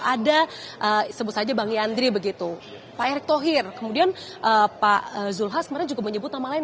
ada sebut saja bang yandri begitu pak erick thohir kemudian pak zulhas sebenarnya juga menyebut nama lain